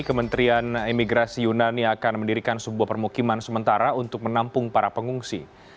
kementerian imigrasi yunani akan mendirikan sebuah permukiman sementara untuk menampung para pengungsi